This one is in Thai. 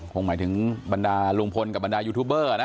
คงหมายถึงบรรดาลุงพลกับบรรดายูทูบเบอร์นะ